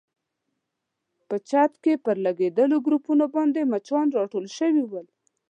په چت کې پر لګېدلو ګروپانو باندې مچان راټول شوي ول.